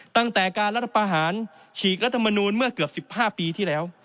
ตั้งแต่การรัฐประหารฉีกรัฐมนูลเมื่อเกือบ๑๕ปีที่แล้ว